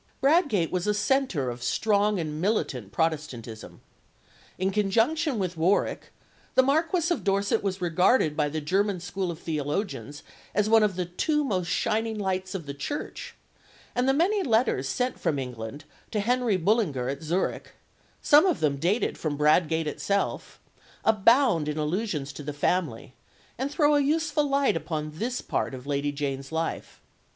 Bradgate was a centre of strong and militant Protestantism. In conjunction with Warwick, the Marquis of Dorset was regarded by the German school of theologians as one of the "two most shining lights of the Church;" and the many letters sent from England to Henry Bullinger at Zurich some of them dated from Bradgate itself abound in allusions to the family, and throw a useful light upon this part of Lady Jane's life.